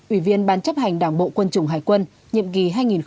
ủy viên ban chấp hành đảng bộ quân chủng hải quân nhiệm kỳ hai nghìn năm hai nghìn một mươi